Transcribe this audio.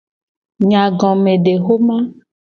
Nyagomedexoma.